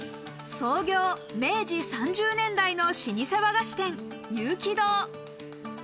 創業明治３０年代の老舗和菓子店、有喜堂。